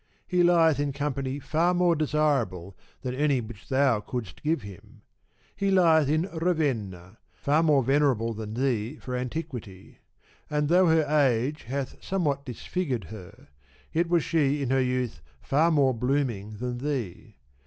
He lieth in company far more desirable than any which thou couldst give him. He lieth in Ravenna, far more venerable than thee for antiquity; and though her age hath somewhat disfigured her, yet was she in her youth far more blooming than thee.